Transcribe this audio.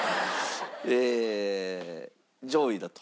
ええー上位だと？